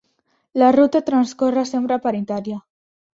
La ruta transcorre sempre per Itàlia.